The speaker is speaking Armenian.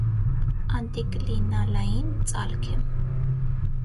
Անտիկլինալային ծալք է։